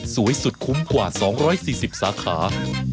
สวยสุดคุ้มกว่า๒๔๐สาขา